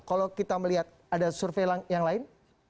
kalau kita melihat ada survei yang lain